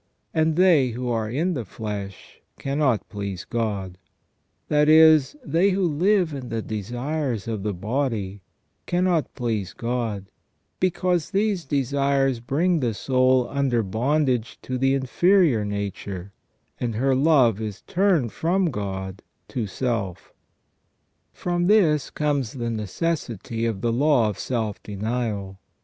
And they who are in the flesh cannot please God." That is, they who live in the desires of the body cannot please God, because these desires bring the soul under bondage to the inferior nature, and her love is turned from God to self From this comes the necessity of the law of self denial.